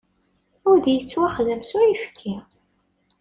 Udi yettwaxdam s uyefki.